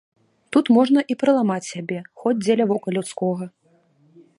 Тут можна і прыламаць сябе, хоць дзеля вока людскога.